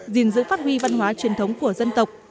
gìn giữ phát huy văn hóa truyền thống của dân tộc